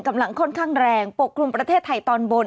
กำลังค่อนข้างแรงปกคลุมประเทศไทยตอนบน